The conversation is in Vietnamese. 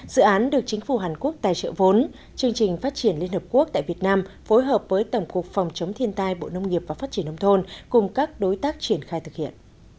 dự án được chính phủ hàn quốc tài trợ vốn chương trình phát triển liên hợp quốc tại việt nam phối hợp với tổng cục phòng chống thiên tai bộ nông nghiệp và phát triển nông thôn cùng các đối tác triển khai thực hiện